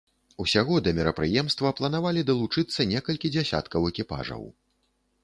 Усяго да мерапрыемства планавалі далучыцца некалькі дзясяткаў экіпажаў.